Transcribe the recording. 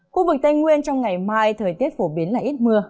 khu vực tây nguyên trong ngày mai thời tiết phổ biến là ít mưa